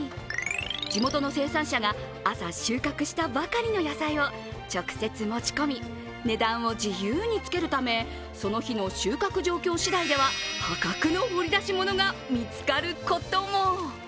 地元の生産者が朝収穫したばかりの野菜を直接持ち込み、値段を自由につけるためその日の収穫状況次第では破格の掘り出し物が見つかることも。